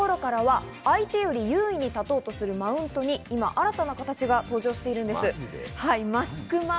まず９時１０分頃からは相手より優位に立とうとするマウントに今、新たな形が続々登場しています。